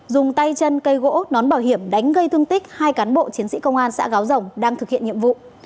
dùng tay chân cây gỗ nón bảo hiểm đánh gây thương tích hai cán bộ chiến sĩ công an xã gáo rồng đang thực hiện nhiệm vụ